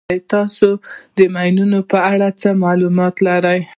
تاسې د ماین په اړه څه معلومات لرئ.